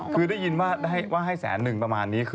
คือได้ยินว่าให้แสนหนึ่งประมาณนี้